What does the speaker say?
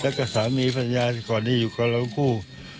แล้วก็สามีภรรยาที่ก่อนนี้อยู่กับเราคู่